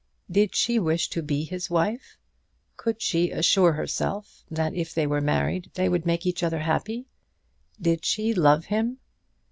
Did she wish to be his wife? Could she assure herself that if they were married they would make each other happy? Did she love him?